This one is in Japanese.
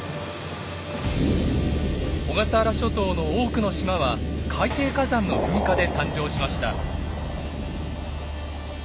小笠原諸島の多くの島は海底火山の噴火で誕生しました。